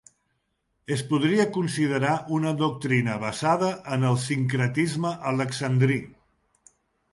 Es podria considerar una doctrina basada en el sincretisme alexandrí.